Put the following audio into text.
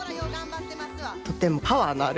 とてもパワーのある感じ。